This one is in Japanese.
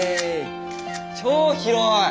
超広い！